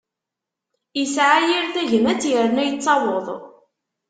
Isɛa yir tagmat, irna ittaweḍ.